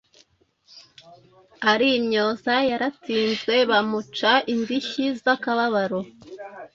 arimyoza. Yaratsinzwe bamuca indishyi z’akababaro.